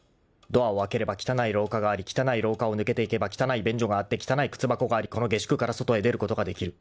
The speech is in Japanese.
［ドアを開ければ汚い廊下があり汚い廊下を抜けていけば汚い便所があって汚い靴箱がありこの下宿から外へ出ることができる］